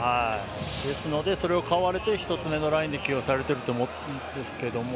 ですので、それを買われて１つ目のラインで起用されていると思いますが。